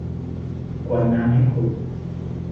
กวนน้ำให้ขุ่น